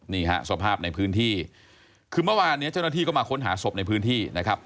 นี่ฮะสภาพในพื้นที่คือเมื่อวานเนี่ยเจ้าหน้าที่ก็มาค้นหาศพในพื้นที่นะครับ